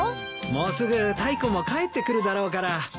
もうすぐタイコも帰ってくるだろうから。